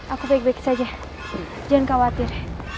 aku baik baik saja jangan khawatir